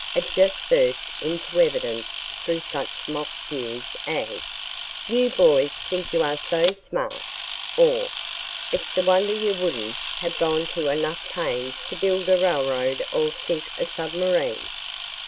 It just burst into evidence through such mock jeers as, "You boys think you are so smart," or "It's a wonder you wouldn't have gone to enough pains to build a railroad or sink a submarine."